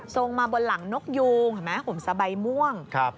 ทรงมาบนหลังนกยูงเห็นไหมห่วงสะใบม่วงครับ